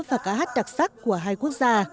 và ca hát đặc sắc của hai quốc gia